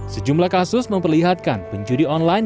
sejumlah kasus memperlihatkan penjudi online